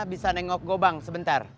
bisa nengok gobang sebentar